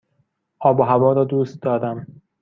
آب و هوا را دوست دارم.